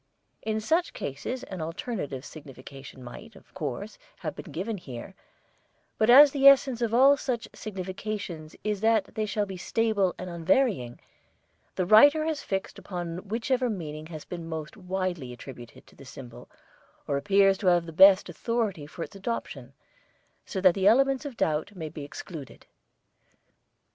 In such cases an alternative signification might, of course, have been given here, but as the essence of all such significations is that they shall be stable and unvarying, the writer has fixed upon whichever meaning has been most widely attributed to the symbol or appears to have the best authority for its adoption, so that the element of doubt may be excluded.